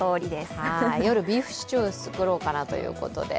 夜、ビーフシチューを作ろうかなということで。